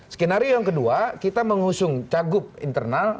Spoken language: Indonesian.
skenario yang kedua kita mengusung cagup internal